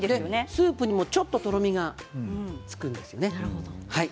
スープにもちょっととろみがつくんですよね。